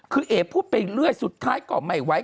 คือเอ๋พูดไปเรื่อยสุดท้ายก็ไม่ไหว